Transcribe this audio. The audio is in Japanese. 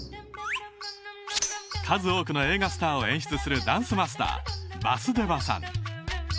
数多くの映画スターを演出するダンスマスターヴァスデヴァさん